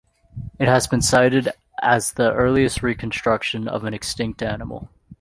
It has been cited as the earliest reconstruction of an extinct animal.